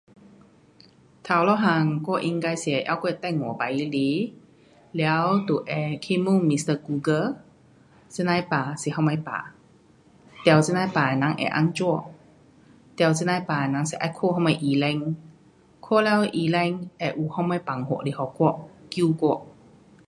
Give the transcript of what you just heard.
第一样我应该是会拿我的电话来来，了就会去问 Mr. Google 这呐的病是什么病，得这呐的病的人会怎样，得这呐病的人是要看怎样医生。看了医生会有什么办法来给我，救我。